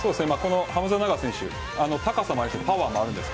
ハムザ・ナガ選手は高さもあるしパワーもあります。